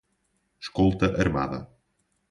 Escolta armada